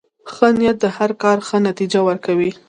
ښه نیت د هر کار ښه نتیجه ورکوي.